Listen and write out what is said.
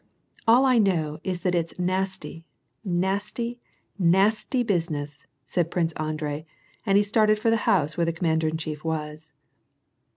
" All I know is that it is all a nasty, nasty, nasty business," said Prince Andrei, and he started for the house where the commander in chief was.